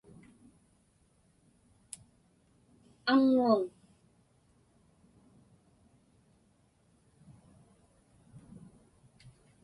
Aŋŋuuŋ!